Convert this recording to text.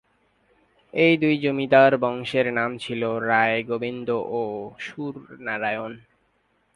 এই দুই জমিদার বংশের নাম ছিল রায় গোবিন্দ ও সুর নারায়ণ।